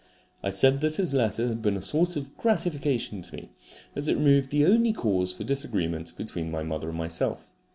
I said that his letter had been a source of gratification to me, as it removed the only cause for disagreement between my mother and myself.